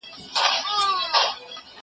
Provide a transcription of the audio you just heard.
زه به سبا د کتابتون لپاره کار وکړم،